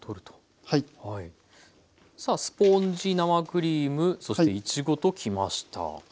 さあスポンジ生クリームそしていちごときました。